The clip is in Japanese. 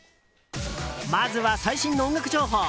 まずは最新の音楽情報。